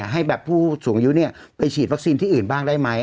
ให้แบบผู้สูงอายุไปฉีดวัคซีนที่อื่นบ้างได้ไหม